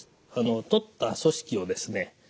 とった組織をですね